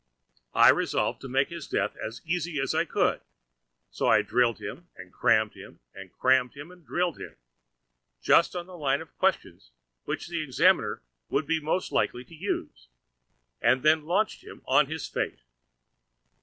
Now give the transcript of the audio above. I resolved to make his death as easy as I could; so I drilled him and crammed him, and crammed him and drilled him, just on the line of questions which the examiner would be most likely to use, and then launched him on his fate.